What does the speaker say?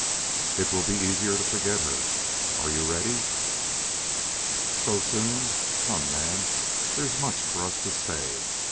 "It will be easier to forget her. Are you ready?" "So soon? Come, man, there's much for us to say.